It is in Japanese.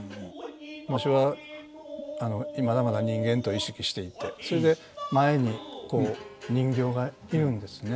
私はまだまだ人間と意識していてそれで前にこう人形がいるんですね。